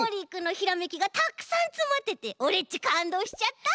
ひらめきがたっくさんつまっててオレっちかんどうしちゃった！